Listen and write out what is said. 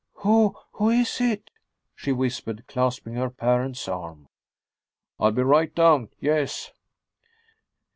"Who who is it?" she whispered, clasping her parent's arm. "I'll be right down, yes."